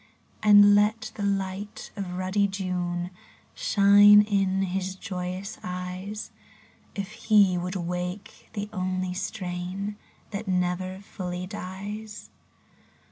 And let the light of ruddy June Shine in his joyous eyes. If he would wake the only strain That never fully dies